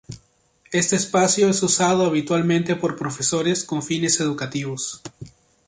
Este espacio es usado habitualmente por profesores con fines educativos.